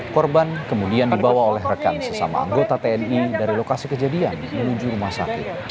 korban kemudian dibawa oleh rekan sesama anggota tni dari lokasi kejadian menuju rumah sakit